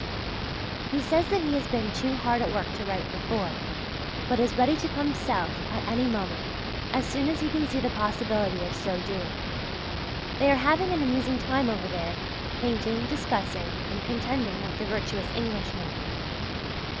He says that he has been too hard at work to write before, but is ready to come south at any moment, as soon as he can see the possibility of so doing. They are having an amusing time over there, painting, discussing, and contending with the virtuous Englishmen.